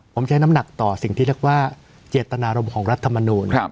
ผมใช้น้ำหนักต่อสิ่งที่เรียกว่าเจตนารมณ์ของรัฐมนูล